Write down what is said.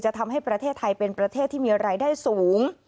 ทำให้ประเทศไทยเป็นประเทศที่มีรายได้สูง